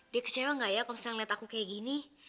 dia kecewa nggak ya kalau misalnya lihat aku kayak gini